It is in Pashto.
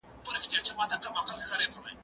زه پرون د کتابتون پاکوالی وکړ؟